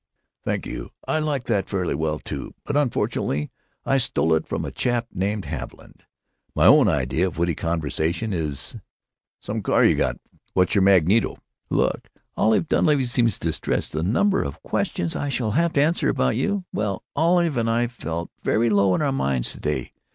Thank you, I like that fairly well, too, but unfortunately I stole it from a chap named Haviland. My own idea of witty conversation: is 'Some car you got. What's your magneto?'" "Look. Olive Dunleavy seems distressed. The number of questions I shall have to answer about you!... Well, Olive and I felt very low in our minds to day.